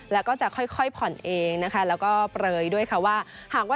แล้วก็จะค่อยผ่อนเองนะคะ